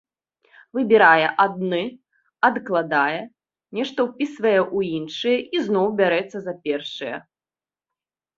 Выбірае адны, адкладае, нешта ўпісвае ў іншыя і зноў бярэцца за першыя.